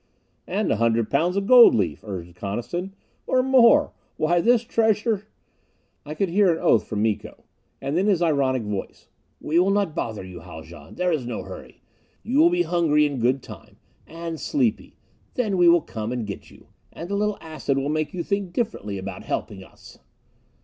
"And a hundred pounds of gold leaf," urged Coniston. "Or more. Why, this treasure " I could hear an oath from Miko. And then his ironic voice: "We will not bother you, Haljan. There is no hurry. You will be hungry in good time. And sleepy. Then we will come and get you. And a little acid will make you think differently about helping us...."